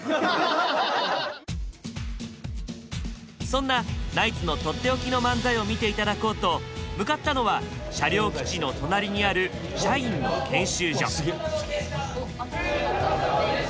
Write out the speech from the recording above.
そんなナイツの取って置きの漫才を見て頂こうと向かったのは車両基地の隣にある社員の研修所。